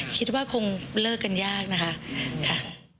คิดว่าคงเลิกกันยากนะคะ